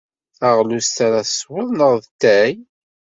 D taɣlust ara teswed neɣ d atay?